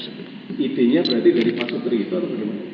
ide nya berarti dari pasukri itu atau bagaimana